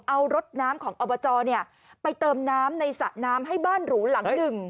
เอารถน้ำของอบจไปเติมน้ำในสระน้ำให้บ้านหรูหลังหนึ่ง